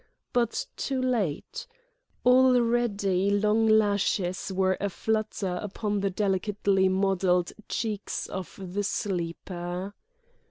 But too late: already long lashes were a flutter upon the delicately modelled cheeks of the sleeper.